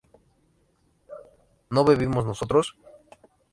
¿no bebimos nosotros?